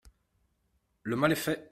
Le mal est fait